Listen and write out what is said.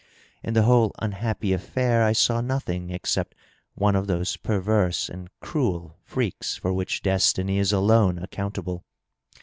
In the whole unhappy affair I saw nothing except one of those perverse and cruel freaks for which destiny is alone accountable.